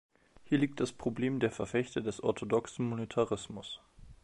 Hier liegt das Problem der Verfechter des orthodoxen Monetarismus.